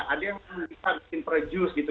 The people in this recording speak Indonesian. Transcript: ada yang bisa bikin prejuse gitu